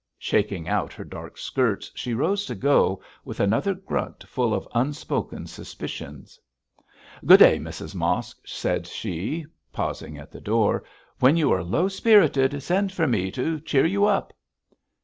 Shaking out her dark skirts she rose to go, with another grunt full of unspoken suspicions. 'Good day, Mrs Mosk,' said she, pausing at the door. 'When you are low spirited send for me to cheer you up.'